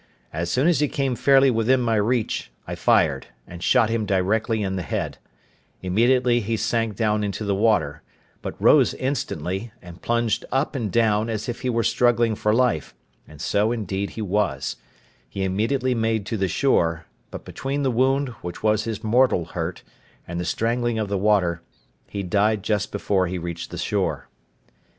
As soon as he came fairly within my reach, I fired, and shot him directly in the head; immediately he sank down into the water, but rose instantly, and plunged up and down, as if he were struggling for life, and so indeed he was; he immediately made to the shore; but between the wound, which was his mortal hurt, and the strangling of the water, he died just before he reached the shore.